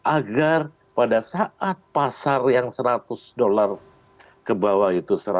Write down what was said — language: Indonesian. agar pada saat pasar yang seratus dolar ke bawah itu seratus